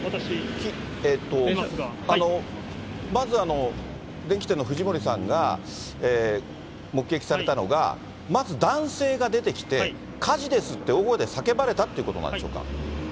まずは電器店のふじもりさんが、目撃されたのが、まず男性が出てきて、火事ですって大声で叫ばれたということでしょうか。